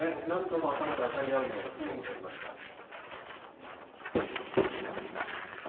何度も頭であたり合うような相撲になりました。